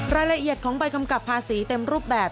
รายละเอียดของใบกำกับภาษีเต็มรูปแบบ